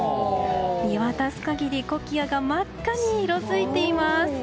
見渡す限りコキアが真っ赤に色づいています。